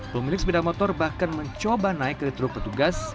pemilik sepeda motor bahkan mencoba naik ke truk petugas